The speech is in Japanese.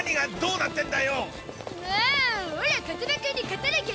うん！！